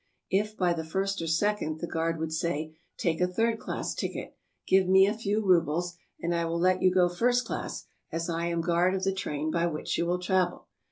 " If by the first or second, the guard would say, " Take a third class ticket; give me a few rubles, and I will let you go first class, as I am guard of the train by which you will travel.